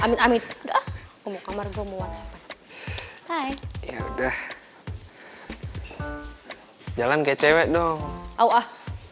amit amit udah mau kamar gue mau whatsapp hai ya udah jalan ke cewek dong awah